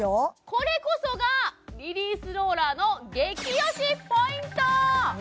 これこそがリリースローラーの激推しポイント！